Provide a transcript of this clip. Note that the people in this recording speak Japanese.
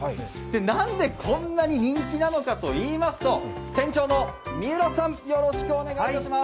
なんでこんなに人気なのかといいますと、店長の三浦さんお願いします。